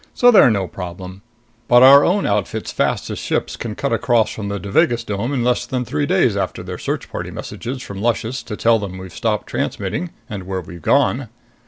"So they're no problem. But our own outfit's fastest ships can cut across from the Devagas dome in less than three days after their search party messages from Luscious to tell them why we've stopped transmitting and where we've gone.